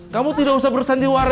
kamu tidak usah bersandiwara